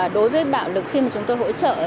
đối với bạo lực khi mà chúng tôi hỗ trợ